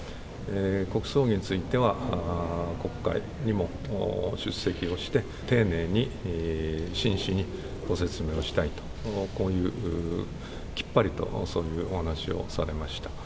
国葬儀については、国会にも出席をして、丁寧に真摯にご説明をしたいと、こういうきっぱりと、そういうお話をされました。